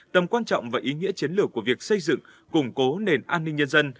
tầm quan trọng và ý nghĩa chiến lược của việc xây dựng củng cố nền an ninh nhân dân